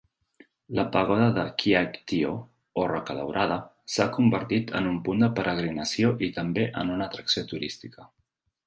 La pagoda de Kyaiktiyo, o Roca Daurada, s'ha convertit en un punt de peregrinació i també en una atracció turística.